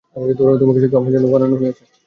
তোমাকে শুধু আমার জন্য বানানো হয়েছে।